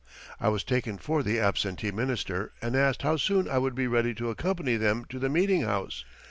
I was taken for the absentee minister and asked how soon I would be ready to accompany them to the meeting house.